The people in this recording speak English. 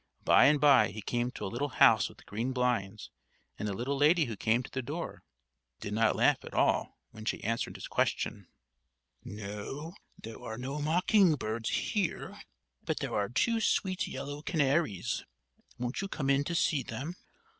By and by, he came to a little house with green blinds; and the little lady who came to the door did not laugh at all when she answered his question: "No; there are no mocking birds here; but there are two sweet yellow canaries. Won't you come in to see them?"